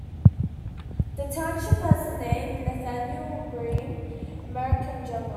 The township has the name of Nathanael Greene, American general.